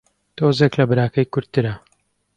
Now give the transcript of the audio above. تۆزێک لە براکەی کورتترە